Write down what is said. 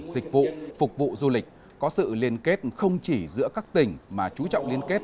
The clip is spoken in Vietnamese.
dịch vụ phục vụ du lịch có sự liên kết không chỉ giữa các tỉnh mà chú trọng liên kết